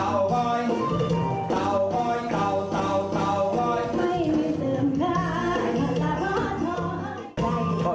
ไม่รู้สึกร้าย